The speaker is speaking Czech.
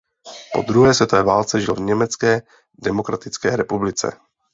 Po druhé světové válce žil v Německé demokratické republice.